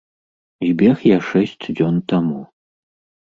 Збег я шэсць дзён таму.